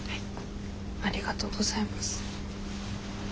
ありがとうございます。